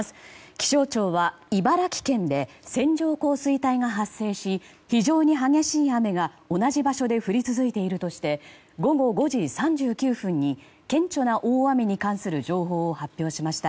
気象庁は茨城県で線状降水帯が発生し非常に激しい雨が同じ場所で降り続いているとして午後５時３９分に顕著な大雨に関する情報を発表しました。